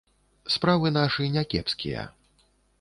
Справы нашы не кепскія.